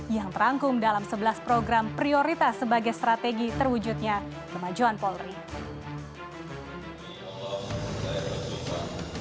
yang terangkum dalam sebelas program prioritas sebagai strategi terwujudnya kemajuan polri